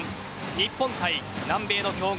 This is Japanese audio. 日本対南米の強豪